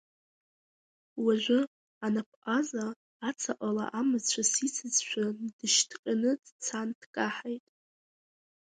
Уажәы Анапҟаза Ацаҟала амацәыс исызшәа дышьҭҟьаны дцан дкаҳаит.